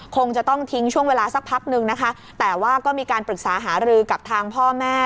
คงจะต้องทิ้งช่วงเวลาสักพักนึงนะคะแต่ว่าก็มีการปรึกษาหารือกับทางพ่อแม่